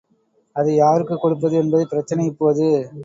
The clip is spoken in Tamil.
அதை யாருக்குக் கொடுப்பது என்பது பிரச்சனை இப்போது.